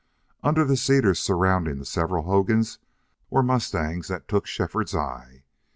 Under the cedars surrounding the several hogans were mustangs that took Shefford's eye.